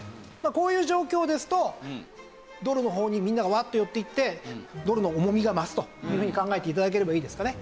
こういう状況ですとドルの方にみんながわっと寄っていってドルの重みが増すというふうに考えて頂ければいいですかね。